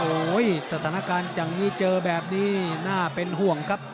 โอ้โหสถานการณ์อย่างนี้เจอแบบนี้น่าเป็นห่วงครับ